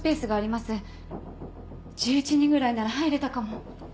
１１人ぐらいなら入れたかも。